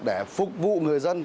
để phục vụ người dân